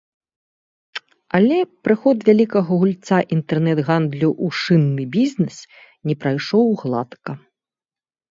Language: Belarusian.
Але прыход вялікага гульца інтэрнэт-гандлю ў шынны бізнэс не прайшоў гладка.